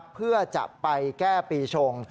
เพื่อจะไปแก้ปีชง